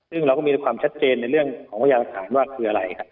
เราก็มีความชัดเจนเรื่องของพยาศาสตร์แล้วคืออะไร